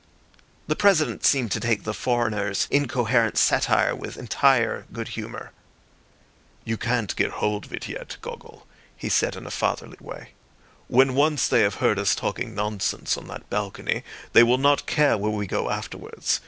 The President seemed to take the foreigner's incoherent satire with entire good humour. "You can't get hold of it yet, Gogol," he said in a fatherly way. "When once they have heard us talking nonsense on that balcony they will not care where we go afterwards.